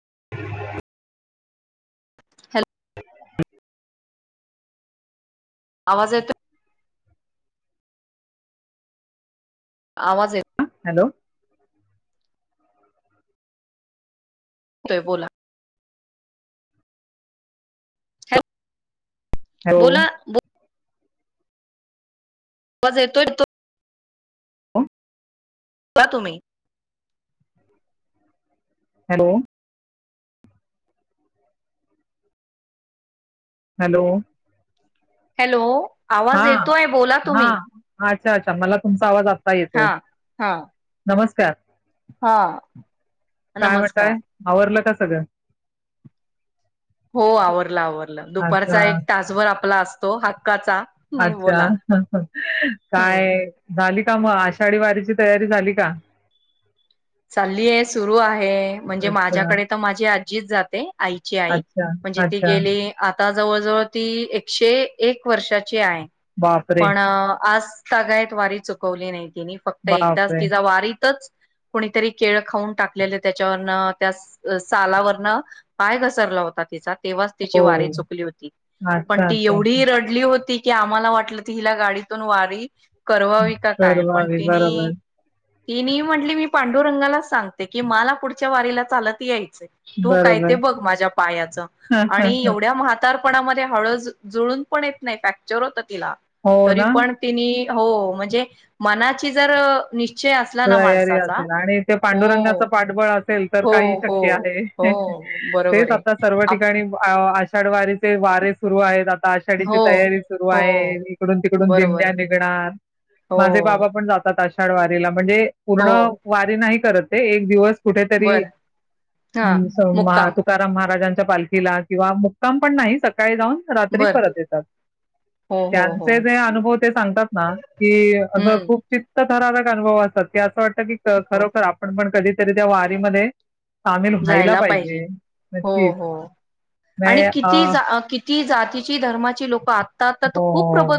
[inaudible] Hello आवाज येतोय. आवाज हॅलो तोय बोला. हॅल हॅलो बोला बो आवाज येतोय तो का तुमही हॅलो हॅलो हॅलो आवाज येतोय, बोला तुम्ही. अछ अच्छा, मला तुमचा आवाज आ ता येतोय, हा हा नमस्कार. हा [unintelligible] काय म्हणटय, नमस्कार आवरलं क सग हो आवरलं आवरलं दुपारचा एक तासभर. आपला असतो हात अच्छा [unintelligible] हम्म काय झाली का मग आषाढी वारीची तयारी झाली का? चाल्ली आहे सुरू आहे म्हणजे अच्छा माझ्याकडे तर माझी जीद जाते आईची आई अच्छा म्हणजे ते अच्छा गेले आता जवळ जवळ ती एकशे एक वर्षाची बापरे पण आजगायत वारी चुकवली नाही ति फक्त एकदाच बापरे तिचा वारीतच कुणीतरी केळ खाऊन टाकलेले त्याच्यावरन त्या सालावरनं पाय घसरला होता तिचात तेव्हाच त्यािची हो वारी चुकली होती पण अच्छा ती अच्छा एवढी रडली होती की आम्हाला वाटलं, ती हिला गाडीतून वारी करवावी का काय? परवा पण बरोबर तिनी की नाही म्हटली मी पांडुरंगालाच सांगते, की मला पुढच्या वारीला चालत याई तय, तू काय बरोबर ते बघ माझ्या पायाच आणि एवढ्या म्हातार णा हळूच जुळून पण येत नाहीत, फॅक्चर होतात. दिला, हो तरी ना पण तीनी- हो, म्हणजे मनाची जर विषय असला ना तयारी माणसाचा- असेल आणि ते हो पांडुरंगाचं पाठबळ असेल तर हो काही हो शक्य आहे, हो बरोबर तेच आहे. आता सर्व आप ठिकाणी आषाढवारीचे वारे सुरू आहेत आत आषाढीची हो तयारी सुरु हो आहे. इकडून, तिकडून बरोबर दिंड्या आहे निघणार, हो माझे बाबा पण जातात, आषाढ आषाढी वारीला. म्हणजे पूर्ण हो वारी नाही करत- ते एक दिवस- कुठेतरी बर हा मुक्काम तुकाराम महाराजांन पालखीला किंवा मुक्काम पण नाहीच सकाळी जाऊन रात्री बर परत येतात. हो हो हो त्यांचे जे अनुभव ते सांगतात ना, की अस हम्म खूप चित्त- अनुभवात. [unintelligible] [unintelligible] [inaudible] की हो खरोखर आपण पण कधी. तरी त्या वारीमध्ये- सामील व्हायला पाहिजे हो नक्कीच,.. हो अ. कीती जातीची धर्माची लोक आ हो, हो,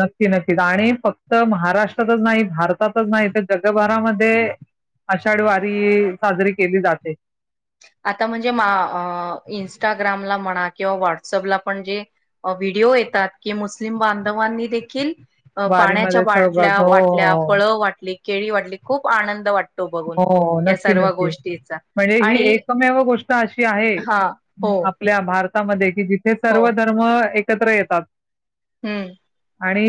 नक्की, नक्की, आणि फक्त महाराष्ट्र- महाराष्ट्रातच नाही, भारतातच नाही, तर जगभरामध्ये आषाढी वारी साजरी केली जाते. आता म्हणजे इंस्टाग्रामला म्हणा किंवा व्हॉट्सअपला पण जे व्हिडिओ येतात की मुस्लिम बांधवांनी देखील अ., पाण्याच्या वारीमध्ये बाटल्या सहभाग हो, वाटल्या हो. फळं वाटली. केळी वाटली, खूप आनंद वाट तो, बघून हो, या नक्की, सर्व नक्की. गोष्टीचा म्हणजे ही आणि- एकमेव गोष्ट अशी आहे हा हो आपल्या भारतात भारतामध्ये. जिथे हो सर्व धर्म एक- एकत्र येतात. हम्म आणि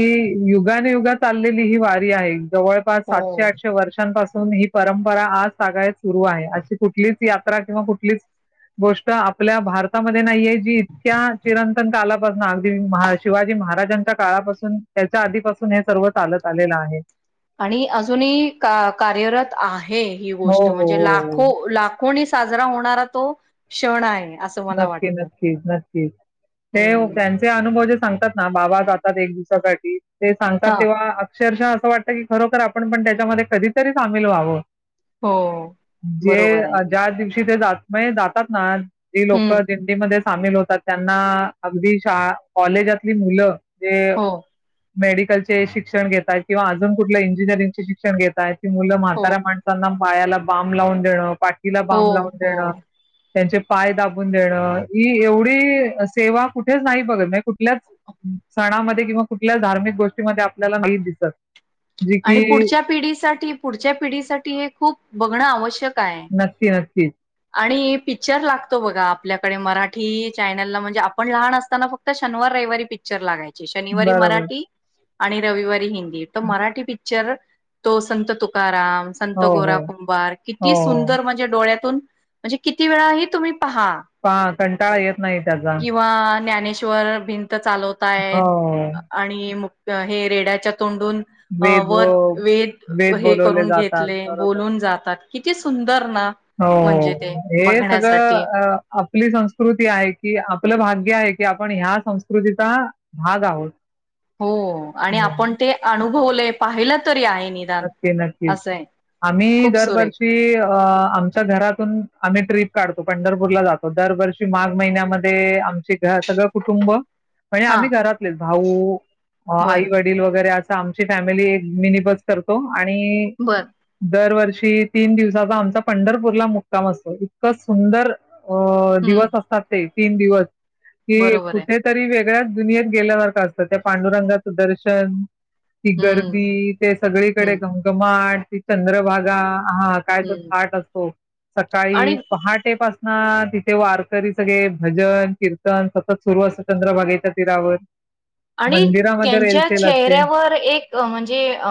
युगाने युगात. चाललेली ही वारी आहे. जवळपास हो सातशे-आठशे वर्षांपासून. [unintelligible] परंपरा आज सांगायच. सुरू आहे अशी कुठलीच. यात्रा किंवा कुठलीच गोष्ट आपल्या भारतामध्ये नाही हाय. इतक्या चिरंतन कालात. बग ना अगदी शिवाजी महाराजांच्या काळापासून त्याच्या आधीपासून हे सर्व चालत आलेलं आहे. आणि अजूनही कार्यरत आहे. हे ही हो, हो, गोष्ट म्हणजे हो, हो. लाखो लाखो साजरा होणारा तो क्षण आहे. असं मला नक्की वाटतं. नक्की नक्की ते हम्म त्यांचे अनुभव जे सांग. ना बाबा जातात एक दिवसासाठीठी ते सांगतात हा तेव्हा शर्षा असं वाटतं की खरोखर आपण पण त्याच्यामध्ये कधीतरी सामील व्हावं. हो जे बरोबर आहे. जार दिवस ते जात म्ह जातात ना ती लोक हम्म दिडीमध्ये सामील होतात त्यांना अगदी शा कॉलेजातली मुलं ते हो मेडिकलचे शिक्षण घेतय किंवा अज कुठले इंजिनिअरिंगचे शिक्षण घेतय आहेत. मु हो म्हाताऱ्या माणसांना वायाला बांमब लावून देणं. पाठीला हो बम लावून हो देणं. त्यांचे पाय दाबून देणं ही एवढी सेवा कुठेच नाही बघत म्हणजे कुठल्याच सणामध्ये किंवा कुठल्याच धार्मिक गोष्टीमध्ये आपल्याला नाही दिसत. जी आणि की पुढच्या पिढीसाठी पुढच्या पिढीसाठी हे खूप बघणं. आवश्यक आहे. नक्की नक्कीच आणि पिक्चर लागतो बघा आपल्याकडे मराठी चॅनलला म्हणजे आपण लहान असताना फक्त शनिवार रविवारी पिक्चर लागायच. शनिवारी बरोबर मराठी आणि रविवारी हिंदी तर मराठी पिक्चर तो संत तुकाराम संत हो हो गोरा कुंभार हो किती हो सुंदर म्हणजे डोळ्यातून म्हणजे किती वेळा हि तुम्ही पहा ह कंटाळा येत नाही त्याजा. [unintelligible] वर भि चालवताय आणि हे रेड्याच्या तोंडून वेद व वत वेद हे बोलवले करून जातात घेतले, बरोबर बोलून जातात. किती सुंदर - - [unintelligible] हो. हे सगळं आपली संस्कृती आहे की आपलं भाग्य आहे. की आपण ह्या संस्कृतीचा, भाग आहोत. हो, आणि हो आपण ते अणूभवले- - पाहिल तरी आहे. निदान नक्की नक्की, असं आहे. आम्ही खूप सुरेख दरवर्षी अ आमच्या घरातून आम्ही ट्रिप- - काढतो. पंढरपूरला जातो, दरवर्षी माघ महिन्यामध्ये आम सगळं कुटुंब म्हणजे, हा आम्ही घरातलेच भाऊ अ आई, बर वडील वगैरे असं आमची फॅमिली एक मिनी बस करतो. आणि बर दरवर्षी तीन दिवसाचा आमचा पंढरपूरला मुक्काम असतो, इतकं सुंदर अ हम्म दिवस असतात ते तीन दिवस कि बरोबर आहे कुठे तरी वेग गळ्याच दुनियात गेल्या सारखं असतं, त्या पांडुरंगाचं दर्शन ती हम्म गर्दी ते सगळीकडे हम्म घमघमा घाट ती चंद्रभागा हा काय तो हम्म थाट असतो सकाळी आणि पहाटे पास हा तिथे वारकरी सगळे भजन, किर्तन सतत सुरू असतं चंद्रभागेच्या तिरावर आणि त्यांच्या चेहऱ्यावर एक अ म्हणजे अ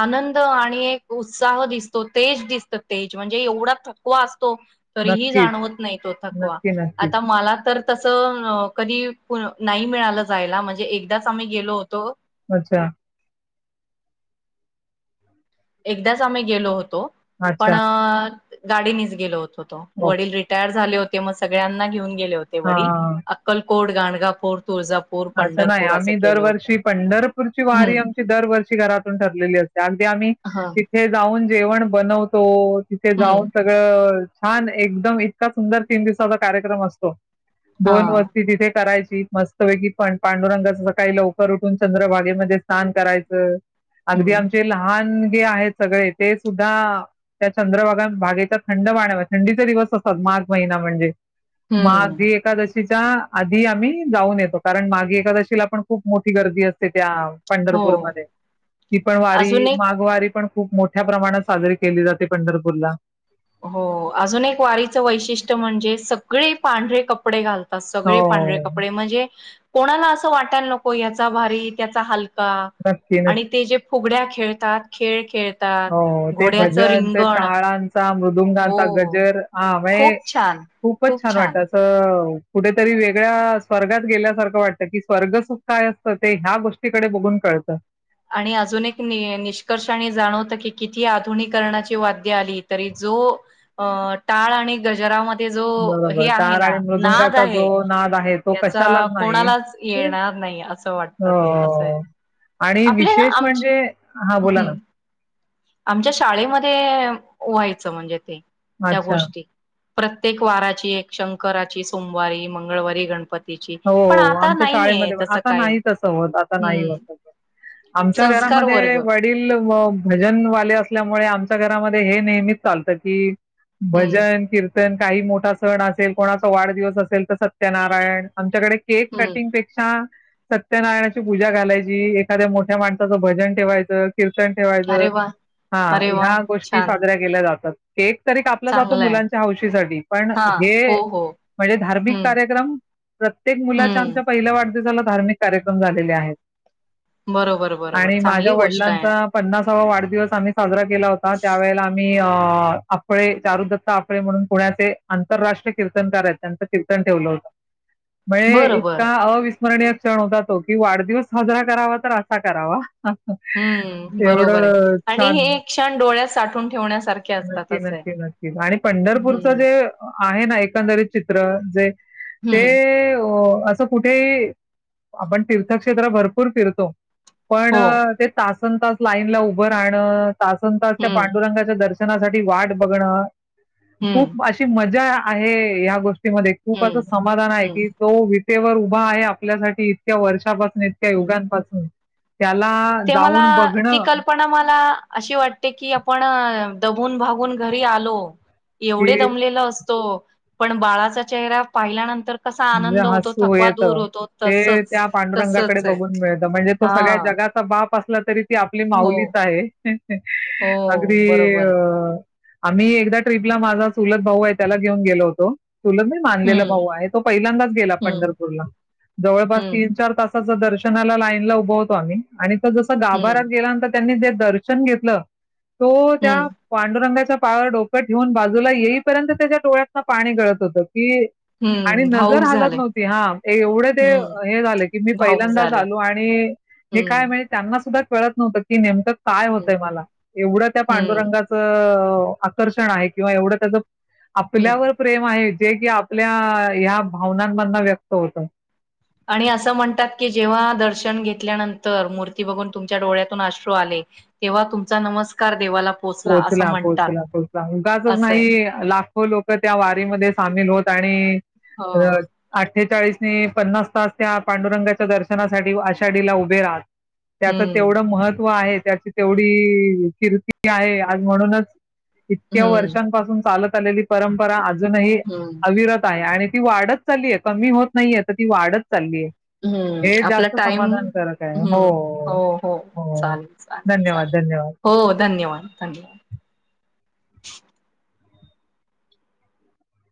आनंद आणि एक उत्साह दिसतो. तेज दिसत तेज म्हणजे एवढा थकवा अस - - तो तरीही नक्कीच, जाणवत नाही तो थकवा. नक्की, नक्कीच. आता मला तर तस, म कधी नाही मिळालं जायला म्हज णे एकदाच आम्ही गेलो होतो अच्छा एकदाच आम्ही गेलो होत- पण अच्छा. अ गाडी निच गेलो होतो. ओके. वडील रिटायर झाले होत- ते मग सगळ्यांना घेऊन- गेले होते वडील, हां. अक्कल कोड गाणगाफोर अच्छा नाही आम्ही दरवर्षी पंढरपूरची वारी हम्म आमची दरवर्षी घरातून ठरलेली असते अगदी आम्ही ह तिथे जाऊ जेवण बनवतो तिथे हम्म जाऊन सगळं छान एकदम इतका सुंदर तीन दिवसाचा कार्यक्रम असतो हा दोन वस्ती तिथे करायची मस् की पण पांडुरंगाच सकाळी लवकर उठून चंद्रभागेमध्ये स्नान करायचं अगदी हम्म आमचे लहान आहेत सगळे ते सुद्धा त्या चंद्रभागात भागेचा थंड पाण्याच्या थंडीचे दिवस असतात मार्ग महिना म्हणजे माघ हम्म ही एकादशी आधी आम्ही जाऊन येतो कारण मागे एकादशीला पण खूप मोठी गर्दी असते त्या हो पंढरपूरमध्ये ती पण वारी अजून एक मागवारी पण खूप मोठ्या प्रमाणात साजरी केली जाते पंढरपूरला हो अजून एक वारीचं वैशिष्ट्य म्हणजे स सगळे पांढे कपडे घालत हो सगळे पांढरे कपडे म्हणजे कोणाला असं वाटायला नको याचा भारी त्याचा हल का नक्की नक्की आणि ते जे फुगड्या खेळतात खेळ खेळतात हो ते घोड्याचं भजन ते रिंगण ताळांचा मृ हो दुमंगांचा गजर हा म्हजे खूप छान खूपच खूप छान वाटत अस कुठेतरी वेगळ्या स्वर्गात गेल्यासारखं वाटतं की स्वर्गसुख काय असतं ते ह्या गोष्टीकडे बघून कळतं आणि अजून एक निष्कर्षाने जाणवत की किती आधुनिकरणाची वाद्य आली तरी जो अ टाळ आणि गजरा ते जो हे बरोबर आहे टाळ ना आणि नाद मृदुंगाचा जो आहे नाद आहे तो त्याचा कशालाच नाही कोणालाच येणार नाही असं वाटत ते अस आहे म आपले विशेष आम म्हणजे हा बोला ना आमच्या शाळेमध्ये व्हायचं म्हणजे ते त्या अच्छा. गोष्टी प्रत्येक वाराची एक शंकराची सोमवारी मंगळवारी गणपती हो आमच्या शाळेमध्ये पण आता काय नाही तसं होत आता नाही हम्म होत आमच्या संस्कार घरामध्ये वर्ग वडील भजन वाले असल्यामुळे आमच्या घरामधे हे नेहमीच चालतं की हम्म भजन कीर्तन काही मोठा सण असेल कोणाचा वाढदिवस असेल तर सत्यनारायण. आमच्याकडे. केक हम्म कटिंग पेक्षा. सत्यनारायणाची पूजा घालायची एखाद्या मोठ्या माणसाचं भजन ठेवायचं कीर ठेवायचं अरे वा हा अरे वा ह्या गोष्टी छान साजऱ्या केल्या जातात. केक. तरी कापला जातो चांगलंय मुलांच्या हौशेसाठी, पण हा हे हो हो म्हणजे धार्मिक हम्म कार्यक्रम प्रत्येक मुलाच्या आमच्या हम्म पहिल्या वाढ वाढदिवसाला धार्मिक कार्यक्रम झालेले आहेत. बरोबर बरोबर चांगली गोष्ट हाय. हो वाढदिवस आम्ही साजरा केला होता, त्यावेळेला आम्ही अ आपफळे चारू दत्त आपळे म्हणून पुण्याचे आंतरराष्ट्रीय कीर्तनकार हाय त. त्यांचं कीर्तन ठेवलं होतं. बळे बरोबर इतका अवि स्मरणीय क्षण होता तो, की वाढदिवस साजरा करावा तर असा करावा. हम्म एवढं छान. साठून ठेवण्यासं. नक्की नक्की नक्कीच आणि पंढरपूरच हम्म जे आहे ना एकंदरीत चित्र जे ते हम्म अं. असं कुठे आपण तीर्थक्षेत्र भरपूर फिरतो. पण हो ते तास. तासनतास लाईन ला उभं राहणं. तासनतास त्या हम्म पांडुरंगाच्या दर्श शणा साठी वाट बघणं. हम्म खूप अशी मजा. आहे या गोष्टी. ती मध्ये खूपं असं हम्म समाधान आहे की हम्म तो वि ते वर उभा आहे, आपल्यासाठी इतक्या वर्षापासून इतक्या हम्म युगांपासून. त्याला ते मला, जाऊन ती बघणं, कल्पना मला अशी वाटते की आपण. दबून भागून घरी आलो. एवढे की दमलेला असतो. पण बाळाचा चेहरा पाहिल्यानंतर कसा म्हे आनंद होतो हसू थकवा येत दूर होतो ते तसच त्या पांडुरंगाकडे तसच आहे बघून मिळत, म्हणजे तो हा सगळ्या जगाचा बाप. अससलं तरी ती आपली हो माऊलीच आहे हो अगदी बरोबर अ आहे आम्ही एकदा ट्रीपला माझा चूलत भाऊ आहे, त्याला घेऊन गेलो होतो. चुलत नाही, मानलेलं हम्म भाऊ आहेत. तो पहिल्यांदाच गेला हम्म पंढरपूरला जवळपास हम्म तीन चार तास दर्शनाला लाईन ला उभवतो आम्ही, आणि जसं जसं हम्म गाभारात गेल्या नंतर त्यांनी दर्शन घेतलं. तो त्या हम्म पांडुरंगाच्या पायावर डोकं ठेऊन बाजूला येईपर्यंत, त्याच्या डोळ्यातनं पाणी गळत होतं कि आणि हम्म, भाऊक नजर हालत झाले. नव्हती हा, एवढं ते हम्म, हे झालं की मी भाऊक पहिल्यांदाच झाले. आलो आणि मी काय हम्म, म्हणजे त्यांना सुद्धा कळत नव्हत की नेमकं काय होतय हम्म, मला एवढं त्या हम्म, पांडुरंगाच आकर्षण आहे किंवा एवढं त्याचं हम्म. आपल्यावर प्रेम आहे. जे की आपल्या ह्या भावनांम व्यक्त होतं आणि असं म्हणतात की जेव्हा दर्शन घेतल्यानंतर मूर्ती बघून तुमच्या डोळ्यातून आश्रू आले, तेव्हा तुमचा नमस्कार देवाला असं पोचला, म्हणतात पोचला, पोहोचला ऊगाचच असं आहे. नाही लाखो लोक त्या वारीमध्ये सामील होत आणि हो. अ अठ्ठेचाळीस न पन्नास तास त्या पांडुरंगाच्या दर्शनासाठी आषाढीला उभे राहत. त्याचं हम्म, तेवढं महत्व आहे. त्याची तेवढी किर्ती आहे आज म्हणूनच इतक्या हम्म, वर्षांपासून चालत. चालेलीत. परंपरा अजूनही हम्म, अविरत आहे आणि ती वाढत चालीये. कमी होत नाहीये. तर ती वाढत चालीये. हम्म. हे आपला जास्त टाइम समाधानकारक हाय. हो, हम्म, हो, हो. चालेल, चालेल, धन्यवाद, चालेल. हो धन्यवाद. धन्यवाद, धन्यवाद.